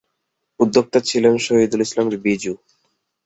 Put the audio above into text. উদ্যোক্তা ছিলেন শহিদুল ইসলাম বিজু।